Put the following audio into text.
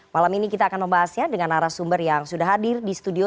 malam ini kita akan membahasnya dengan arah sumber yang sudah hadir di studio